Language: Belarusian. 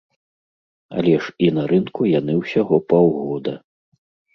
Але ж і на рынку яны ўсяго паўгода.